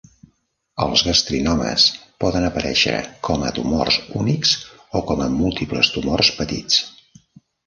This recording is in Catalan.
Els gastrinomes poden aparèixer com a tumors únics o com a múltiples tumors petits.